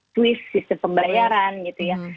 swiss sistem pembayaran gitu ya